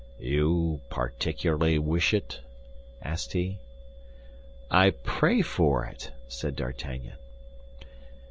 "You particularly wish it?" asked he. "I pray for it," said D'Artagnan.